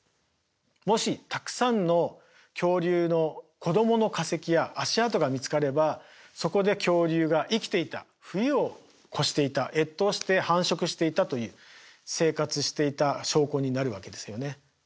もしたくさんの恐竜の子供の化石や足跡が見つかればそこで恐竜が生きていた冬を越していた越冬して繁殖していたという生活していた証拠になるわけですよね。